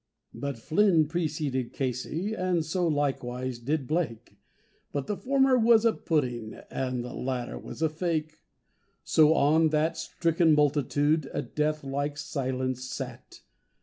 But Flynn preceded Casey, and likewise so did Blake, And the former was a puddin', and the latter was a fake; So on that stricken multitude a deathlike silence sat.